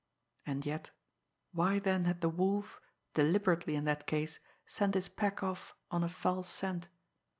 And yet, why then had the Wolf, deliberately in that case, sent his pack off on a false scent?